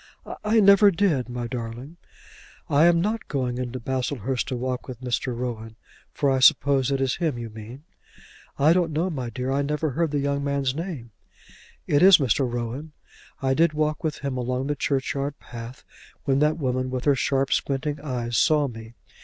"I never did, my darling." "I am not going into Baslehurst to walk with Mr. Rowan; for I suppose it is him you mean." "I don't know, my dear; I never heard the young man's name." "It is Mr. Rowan. I did walk with him along the churchyard path when that woman with her sharp squinting eyes saw me.